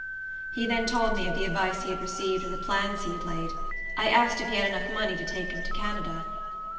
He then told me of the advice he had received, and the plans he had laid. I asked if he had money enough to take him to Canada.